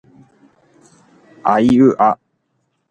あいうあ